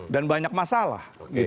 dan banyak masalah